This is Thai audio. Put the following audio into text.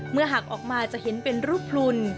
หากออกมาจะเห็นเป็นรูปพลุน